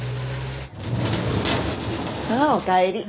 あっお帰り。